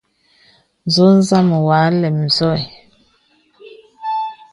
N̄zɔ̄ zam wɔ à lɛm zɔ̄ ɛ.